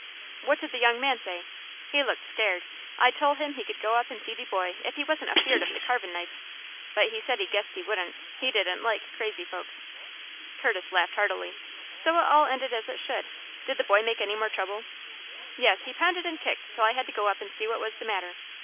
"What did the young man say?" "He looked scared. I tol' him he could go up and see de boy if he wasn't afeared of the carvin' knife, but he said he guessed he wouldn't he didn't like crazy folks." Curtis laughed heartily. "So it all ended as it should. Did the boy make any more trouble?" "Yes; he pounded and kicked till I had to go up and see what was the matter.